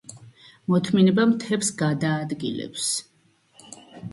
მოთმინება მთებს გადაადგილებს.